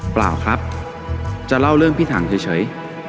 เปล่าครับจะเล่าเรื่องพี่ถังเฉย